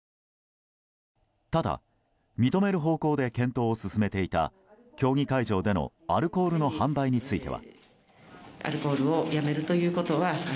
ただ、認める方向で検討を進めていた競技会場でのアルコールの販売については。